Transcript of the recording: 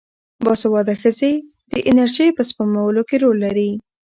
باسواده ښځې د انرژۍ په سپمولو کې رول لري.